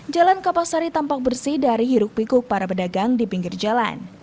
jalan kapasari tampak bersih dari hiruk pikuk para pedagang di pinggir jalan